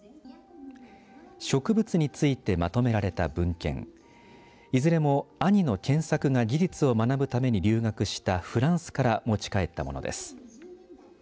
植物についてまとめられた文献いずれも兄の健作が技術を学ぶために留学したフランスから持ち帰ったものです。